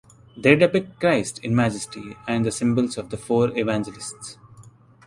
They depict Christ in Majesty and the symbols of the Four Evangelists.